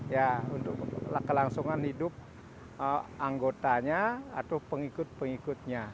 ya untuk kelangsungan hidup anggotanya atau pengikut pengikutnya